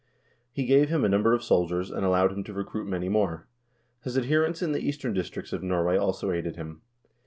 He gave him a num ber of soldiers, and allowed him to recruit many more.1 His adher ents in the eastern districts of Norway also aided him.